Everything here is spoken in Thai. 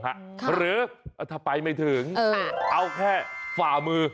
หรือถ้าไปไม่ถึงเอาแค่ฝ่ามือ